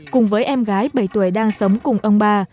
cùng với em gái bảy tuổi đang sống cùng ông ba